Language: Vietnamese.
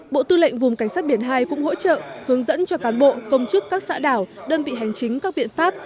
bộ tư lệnh vùng cảnh sát biển hai cũng hỗ trợ hướng dẫn cho cán bộ công chức các xã đảo đơn vị hành chính các biện pháp